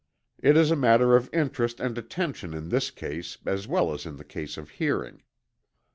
It is a matter of interest and attention in this case, as well as in the case of hearing.